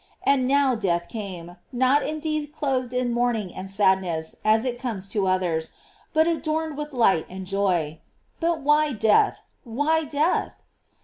And now death came, not indeed clothed in mourning and sadness, as it comes to others, but adorned with light and joy. But why death, why death?